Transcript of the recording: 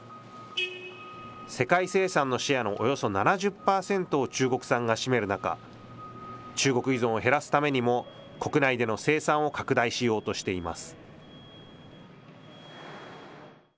世界生産のシェアのおよそ７０％を中国産が占める中、中国依存を減らすためにも、国内での生産を拡大しようとしています。